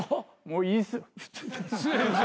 もういいっす。